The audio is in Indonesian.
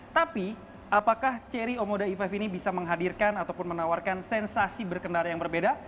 tapi apakah ceri omoda e lima ini bisa menghadirkan ataupun menawarkan sensasi berkendara yang berbeda